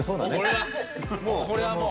土屋：これは、もう。